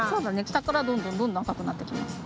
したからどんどんどんどんあかくなってきます。